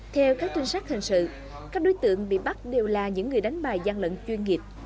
theo các trinh sát hình sự các đối tượng bị bắt đều là những người đánh bài gian lận chuyên nghiệp